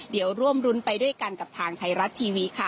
เดี๋ยวร่วมรุ้นไปด้วยกันกับทางไทยรัฐทีวีค่ะ